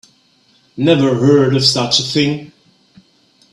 Never heard of such a thing.